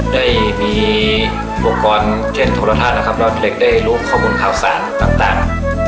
ได้มีอุปกรณ์เช่นโทรทัศน์นะครับแล้วเด็กได้รู้ข้อมูลข่าวสารต่าง